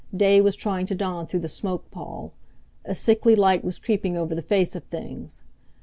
Day was trying to dawn through the smoke pall. A sickly light was creeping over the face of things.